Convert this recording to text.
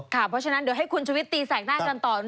เพราะฉะนั้นเดี๋ยวให้คุณชุวิตตีแสกหน้ากันต่อ